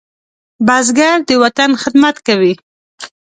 بزګر د وطن خدمت کوي